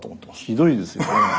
ひどいですよね。